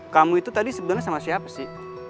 kamu itu tadi sebetulnya sama siapa sih